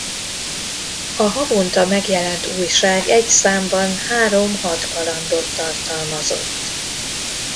A havonta megjelent újság egy számban három-hat kalandot tartalmazott.